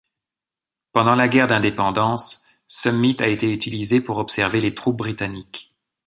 Pendant la guerre d'indépendance, Summit a été utilisée pour observer les troupes britanniques.